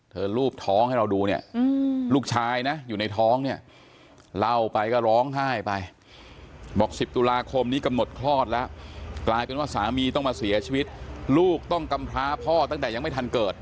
รูปท้องให้เราดูเนี่ยลูกชายนะอยู่ในท้องเนี่ยเล่าไปก็ร้องไห้ไปบอก๑๐ตุลาคมนี้กำหนดคลอดแล้วกลายเป็นว่าสามีต้องมาเสียชีวิตลูกต้องกำพร้าพ่อตั้งแต่ยังไม่ทันเกิด